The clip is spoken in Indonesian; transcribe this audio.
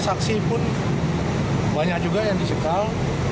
saksi pun banyak juga yang dicekal